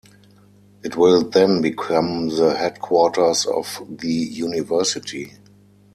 It will then become the headquarters of the university.